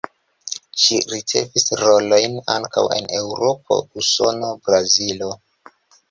Ŝi ricevis rolojn ankaŭ en Eŭropo, Usono, Brazilo.